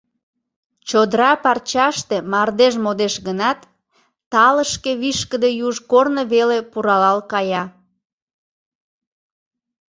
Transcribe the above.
Чодыра парчаште мардеж модеш гынат, талышке вишкыде юж корно веле пуралал кая.